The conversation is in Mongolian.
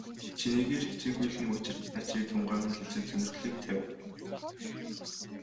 Чинээгээр хичээнгүйлэн учир начрыг тунгаан хэлэлцэж, сонирхлыг тавина.